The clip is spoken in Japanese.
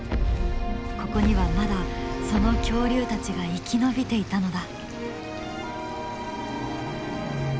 ここにはまだその恐竜たちが生き延びていたのだ。